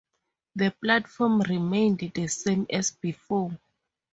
The platform remained the same as before.